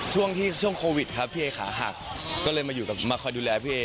ช่วงที่ช่วงโควิดครับพี่เอขาหักก็เลยมาอยู่กับมาคอยดูแลพี่เอ